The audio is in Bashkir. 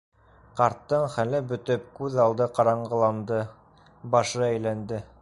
Ҡарттың хәле бөтөп, күҙ алды ҡараңғыланды, башы әйләнде.